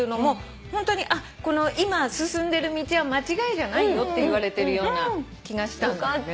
ホントに今進んでる道は間違いじゃないよって言われてるような気がしたんだよね。